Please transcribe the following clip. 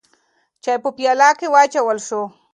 چای په پیالو کې واچول شو.